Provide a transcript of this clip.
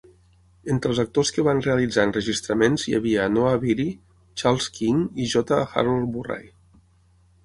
Entre els actors que van realitzar enregistraments hi havia Noah Beery, Charles King i J. Harold Murray.